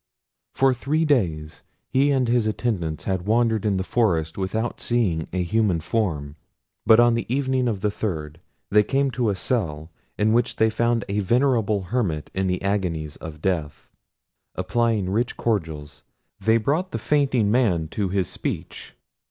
For three days he and his attendants had wandered in the forest without seeing a human form: but on the evening of the third they came to a cell, in which they found a venerable hermit in the agonies of death. Applying rich cordials, they brought the fainting man to his speech.